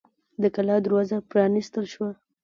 د کلا دروازه پرانیستل شوه.